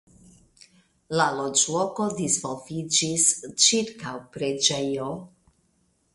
La loĝloko disvolviĝis ĉirkaŭ preĝejo.